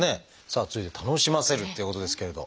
さあ続いて「楽しませる」っていうことですけれど。